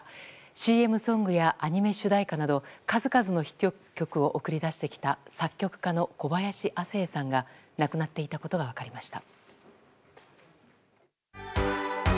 ＣＭソングやアニメ主題歌など数々のヒット曲を送り出してきた作曲家の小林亜星さんが亡くなっていたことが分かりました。